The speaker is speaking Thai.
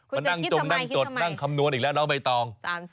มานั่งจงนั่งจดนั่งคำนวณอีกแล้วน้องใบตอง